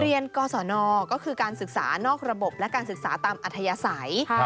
กศนก็คือการศึกษานอกระบบและการศึกษาตามอัธยาศัย